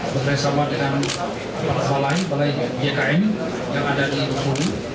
bersama dengan balai balai jkm yang ada di bungkuk